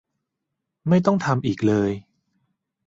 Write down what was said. ไม่ต้องทำอีกเลย